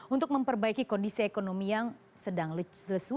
untuk memperbaiki kondisi ekonomi yang sedang lesu